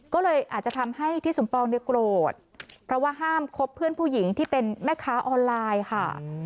ก็เลยอาจจะทำให้ทิศสมปองเนี่ยโกรธเพราะว่าห้ามคบเพื่อนผู้หญิงที่เป็นแม่ค้าออนไลน์ค่ะ